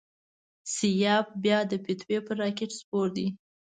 سیاف بیا د فتوی پر راکېټ سپور دی.